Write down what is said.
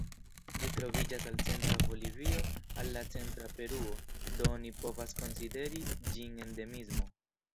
Ĝi troviĝas el centra Bolivio al centra Peruo, do oni povas konsideri ĝin endemismo.